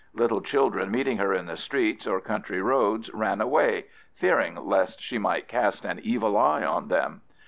Little children meeting her in the streets or country roads ran away, fearing lest she might cast an evil eye on them.